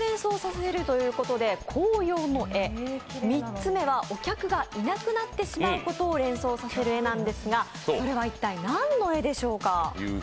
３つめはお客がいなくなってしまうことを連想させる絵なんですがそれは一体何の絵なんでしょうか？